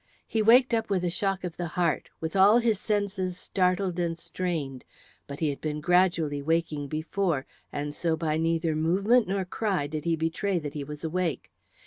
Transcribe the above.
He waked up with a shock of the heart, with all his senses startled and strained. But he had been gradually waking before, and so by neither movement nor cry did he betray that he was awake.